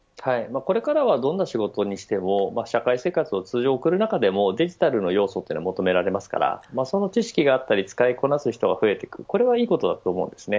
これからはどんな仕事にしても社会生活を通常送る中でもデジタルの要素が求められますからその知識だったり使いこなせる人が増えていくのはいいと思います。